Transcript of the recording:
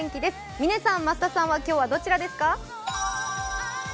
嶺さん、増田さんは今日はどちらですか？